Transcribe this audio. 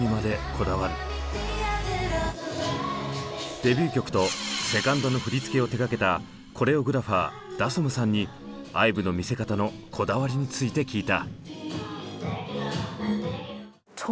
デビュー曲とセカンドの振り付けを手がけたコレオグラファーダソムさんにＩＶＥの見せ方のこだわりについて聞いた。